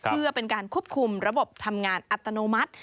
เพื่อเป็นการควบคุมระบบทำงานอัตโนมัติ